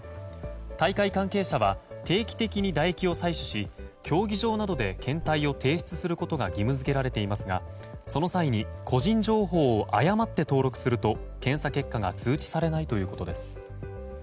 大会関係者は定期的に唾液を採取し競技場などで検体を提出することが義務付けられていますがその際に個人情報を誤って登録すると検査結果が通知されないということです。